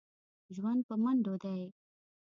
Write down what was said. ژوند په منډو دی.